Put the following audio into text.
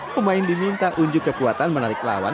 pemain diminta unjuk kekuatan menarik lawan